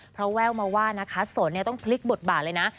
เพราะแววมาว่านะคะสนต้องพลิกบทบาทเลยนะ